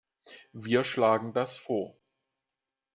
Wir schlagen das vor.